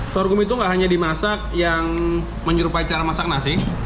sorghum itu gak hanya dimasak yang menyerupai cara masak nasi